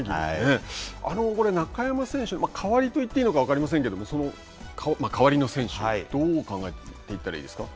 中山選手、代わりといっていいのか分かりませんけども、代わりの選手、どう考えていったらいいですか。